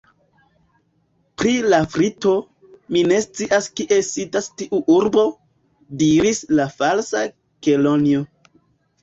"Pri Lafrito, mi ne scias kie sidas tiu urbo," diris la Falsa Kelonio. "